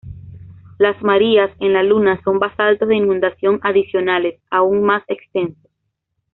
Las marías en la Luna son basaltos de inundación adicionales, aún más extensos.